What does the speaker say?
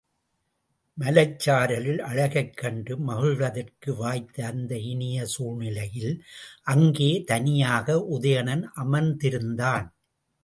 மலைச் சாரலின் அழகைக் கண்டு மகிழ்வதற்கு வாய்த்த அந்த இனிய சூழ்நிலையில் அங்கே தனியாக உதயணன் அமர்ந்திருந்தான்.